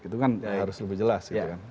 itu kan harus lebih jelas gitu kan